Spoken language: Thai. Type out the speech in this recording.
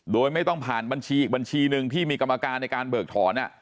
โดยไม่ต้องผ่านบัญชีอีกบัญชีหนึ่งที่มีกรรมการในการเบิกถอน